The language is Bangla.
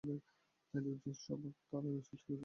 ভাই, ডিপজলের স্বভাব তাড়ানোর চেষ্টা করছি আমি, বুঝেছো?